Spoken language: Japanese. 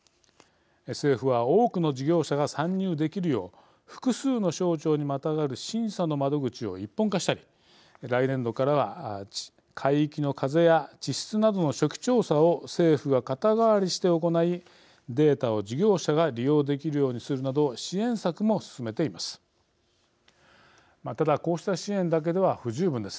政府は多くの事業者が参入できるよう複数の省庁にまたがる審査の窓口を一本化したり来年度からは海域の風や地質などの初期調査を政府が肩代わりして行いデータを事業者が利用できるようにするなど支援策も進めています。